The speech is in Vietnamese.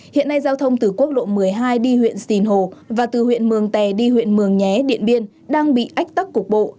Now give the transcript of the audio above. hiện nay giao thông từ quốc lộ một mươi hai đi huyện sìn hồ và từ huyện mường tè đi huyện mường nhé điện biên đang bị ách tắc cục bộ